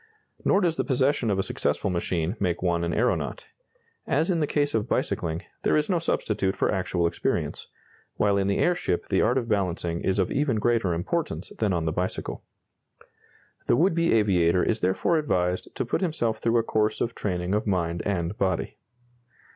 Nor does the possession of a successful machine make one an aeronaut. As in the case of bicycling, there is no substitute for actual experience, while in the airship the art of balancing is of even greater importance than on the bicycle. The would be aviator is therefore advised to put himself through a course of training of mind and body.